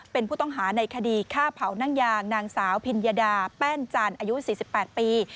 เป็นผู้ต้องหาในคดีฆ่าเผานั่งยางนางสาวพิญญดาแป้นจันทร์อายุ๔๘ปี